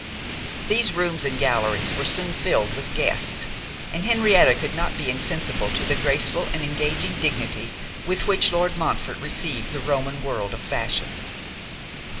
These rooms and galleries were soon filled with guests, and Henrietta could not be insensible to the graceful and engaging dignity with which Lord Montfort received the Roman world of fashion.